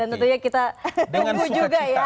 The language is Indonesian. dan tentunya kita tunggu juga ya